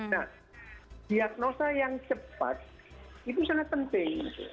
nah diagnosa yang cepat itu sangat penting